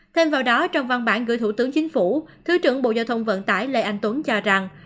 thêm vào đó trong văn bản gửi thủ tướng chính phủ thứ trưởng bộ giao thông vận tải lê anh tuấn cho rằng